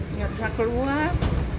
nggak bisa keluar